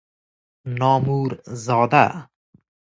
نامور زاده